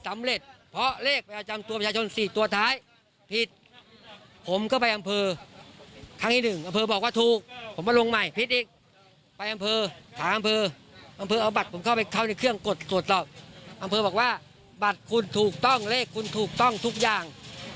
อำเภอบอกว่าบัตรคุณถูกต้องเลขคุณถูกต้องทุกอย่าง